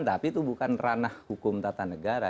tapi itu bukan ranah hukum tata negara